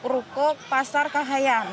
rukuk pasar kahayan